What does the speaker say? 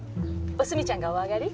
おすみちゃんがおあがり。